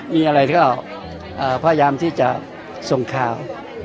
มีอะไรก็พยายามที่จะส่งข่าว